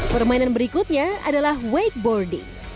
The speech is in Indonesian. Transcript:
permainan berikutnya adalah wakeboarding